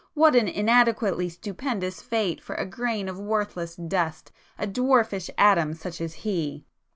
—what an inadequately stupendous fate for a grain of worthless dust,—a dwarfish atom such as he!"